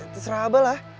terserah abah lah